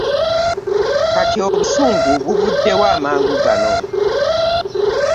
Kati obusungu buvudde wa amangu gano?